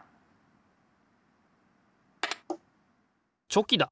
チョキだ！